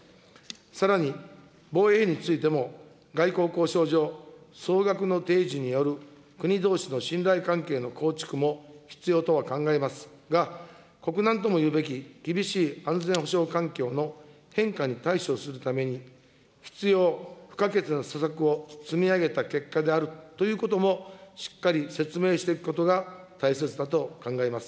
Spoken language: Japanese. さらに防衛費についても外交交渉上、総額の提示による国どうしの信頼関係の構築も必要とは考えますが、国難ともいうべき厳しい安全保障環境の変化に対処するために、必要不可欠な施策を積み上げた結果であるということもしっかり説明していくことが大切だと考えます。